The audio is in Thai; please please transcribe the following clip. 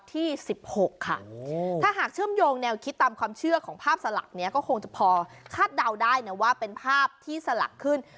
ที่๑๖ค่ะถ้าหากเชื่อมโยงแนวคิดตามความเชื่อของภาพสลักนี้ก็คงจะพอคาดเดาได้นะว่าเป็นภาพที่สลักขึ้น